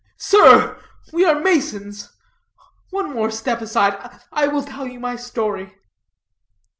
Sir, we are masons, one more step aside; I will tell you my story."